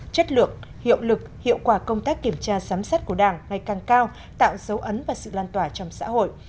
chất lượng hiệu lực hiệu quả công tác kiểm tra giám sát của đảng ngày càng cao tạo dấu ấn và sự lan tỏa trong xã hội